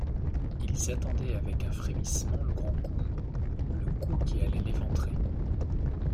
Ils attendaient avec un frémissement le grand coup, le coup qui allait l’éventrer.